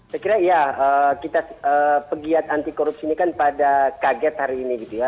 saya kira iya kita pegiat anti korupsi ini kan pada kaget hari ini gitu ya